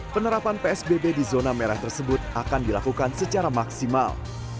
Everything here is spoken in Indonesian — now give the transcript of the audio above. penerapan psbb di zona merah tersebut akan dilakukan secara maksimal